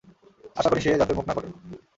আশা করি সে যাতে মুখ না খোলে।